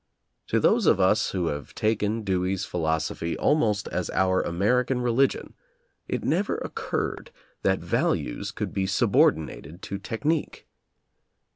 * To those of us who have taken Dewey's philos ophy almost as our American religion, it never occurred that values could be subordinated to technique.